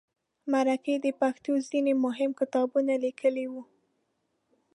مرکې د پښتو ځینې مهم کتابونه لیکلي وو.